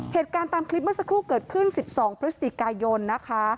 เหตุการณ์ตามคลิปเมื่อสักครู่เกิดขึ้น๑๒พฤศจิกายนนะคะ